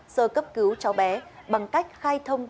sơ cấp cứu cháu bé bằng cách khai thông tin